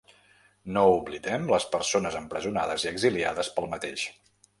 No oblidem les persones empresonades i exiliades pel mateix.